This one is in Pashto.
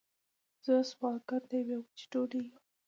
زه سوالګره د یوې وچې ډوډۍ یم